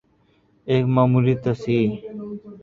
ایک معمولی تصحیح۔